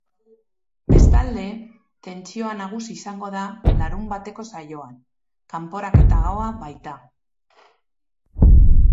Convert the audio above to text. Bestalde, tentsioa nagusi izango da larunbateko saioan, kanporaketa gaua baita.